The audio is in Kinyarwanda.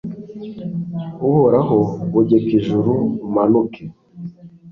uhoraho, bogeka ijuru umanuke